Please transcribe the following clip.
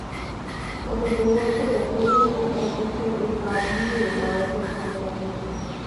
গত দেড় বছরে তরুণ ও অভিজ্ঞের এই কাঁধ মিলিয়ে লড়াইটায় ছন্দপতন ছিল।